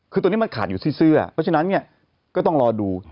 คือตัวนี้มันขาดอยู่ที่เสื้อเพราะฉะนั้นเนี่ยก็ต้องรอดู